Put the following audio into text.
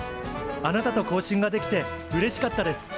あなたと交信ができてうれしかったです。